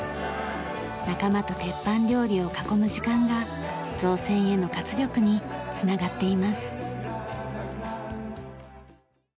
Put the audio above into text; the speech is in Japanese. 仲間と鉄板料理を囲む時間が造船への活力に繋がっています。